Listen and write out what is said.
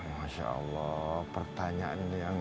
masya allah pertanyaan yang